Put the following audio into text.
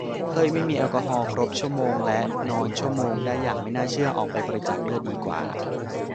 เฮ้ย ไม่มีแอลกอฮอล์ครบ ชั่วโมงและนอน ชั่วโมงได้อย่างไม่น่าเชื่อ ออกไปบริจาคเลือดดีกว่า